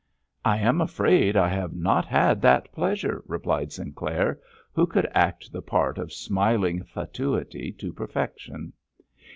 "I am afraid I have not had that pleasure," replied Sinclair, who could act the part of smiling fatuity to perfection.